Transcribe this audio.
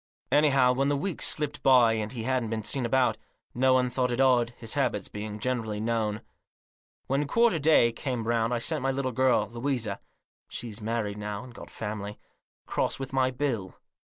Anyhow, when the weeks slipped by, and he wasn't seen about, no one thought it odd, his habits being generally known. When quarter day came round I sent my little girl, Louisa — she's married now, Digitized by COUNSEL'S OPINION. 163 and got a family — across with my bill.